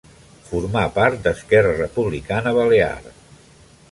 Formà part d'Esquerra Republicana Balear.